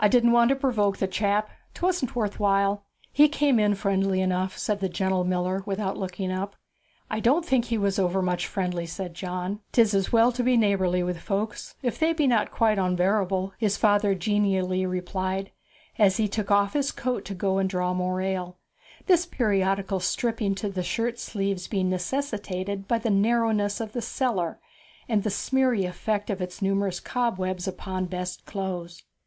'I didn't want to provoke the chap 'twasn't worth while. He came in friendly enough,' said the gentle miller without looking up. 'I don't think he was overmuch friendly,' said John. ''Tis as well to be neighbourly with folks, if they be not quite onbearable,' his father genially replied, as he took off his coat to go and draw more ale this periodical stripping to the shirt sleeves being necessitated by the narrowness of the cellar and the smeary effect of its numerous cobwebs upon best clothes.